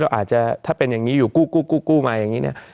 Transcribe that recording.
อาจจะถ้าเป็นอย่างนี้อยู่กู้มาอย่างนี้เนี่ย